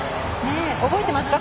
覚えてますか？